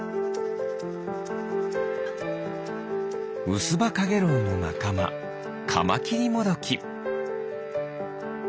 ウスバカゲロウのなかまカマキリモドキ。